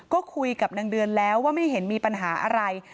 ก็คุยกับนางเดือนแล้วว่าไม่เห็นมีปัญหาอะไร